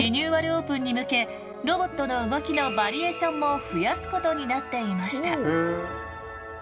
オープンに向けロボットの動きのバリエーションも増やすことになっていました。